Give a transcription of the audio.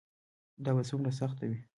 دا به څومره سخت وي.